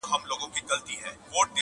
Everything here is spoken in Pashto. ستا نصیب ته هغه سور دوږخ په کار دئ،